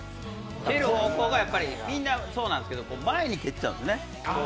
蹴る方向がみんなそうなんですけど前に蹴っちゃうんですよね。